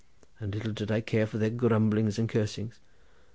And little did I care for their grumblings and cursings.